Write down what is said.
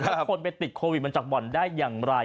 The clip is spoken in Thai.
ถ้าคนไปติดโควิดมาจากบ่อนได้อย่างไร